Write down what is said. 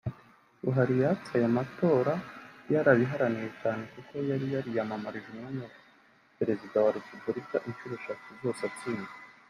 Buhari yatsinze ayo matora yarabiharaniye cyane kuko yari yariyamamarije umwanya wa Perezida wa Repubulika icuro eshatu zose atsindwa